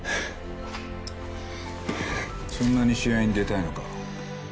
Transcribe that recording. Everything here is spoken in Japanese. そんなに試合に出たいのか。